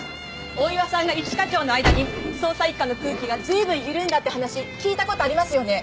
大岩さんが一課長の間に捜査一課の空気が随分緩んだって話聞いた事ありますよね？